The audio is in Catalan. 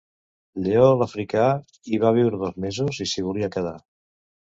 Lleó l'Africà hi va viure dos mesos i s'hi volia quedar.